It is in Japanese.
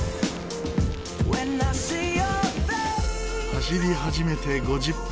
走り始めて５０分。